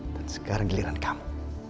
dan sekarang giliran kamu